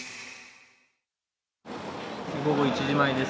午後１時前です